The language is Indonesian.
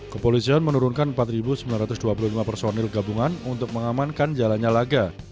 kepolisian menurunkan empat sembilan ratus dua puluh lima personil gabungan untuk mengamankan jalannya laga